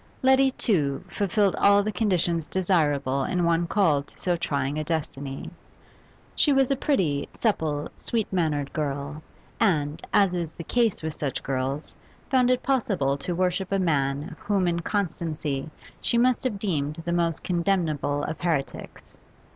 Letty Tew fulfilled all the conditions desirable in one called to so trying a destiny. She was a pretty, supple, sweet mannered girl, and, as is the case with such girls, found it possible to worship a man whom in consistency she must have deemed the most condemnable of heretics.